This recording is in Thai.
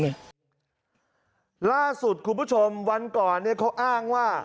ล่าสุดคุณผู้ชมวันก่อนเนี่ยเขาอ้างว่า